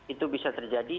itu bisa terjadi